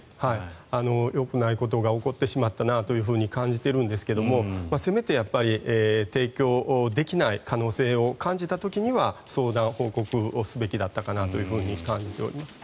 よくないことが起こってしまったなと感じていますがせめてやっぱり提供できない可能性を感じた時には相談、報告をすべきだったかなと感じております。